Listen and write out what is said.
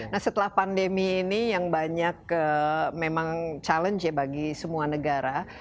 nah setelah pandemi ini yang banyak memang challenge ya bagi semua negara